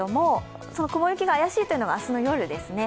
雲行きが怪しいというのが明日の夜ですね。